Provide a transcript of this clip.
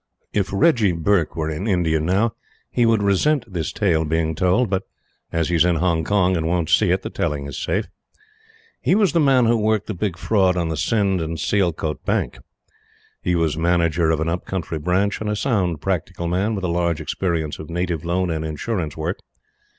If Reggie Burke were in India now, he would resent this tale being told; but as he is in Hong Kong and won't see it, the telling is safe. He was the man who worked the big fraud on the Sind and Sialkote Bank. He was manager of an up country Branch, and a sound practical man with a large experience of native loan and insurance work.